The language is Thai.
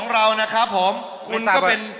เรานะครับผมคุณก็เป็น